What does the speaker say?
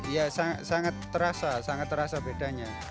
ya sangat sangat terasa sangat terasa bedanya